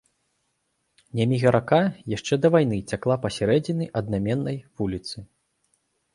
Няміга-рака яшчэ да вайны цякла пасярэдзіне аднайменнай вуліцы.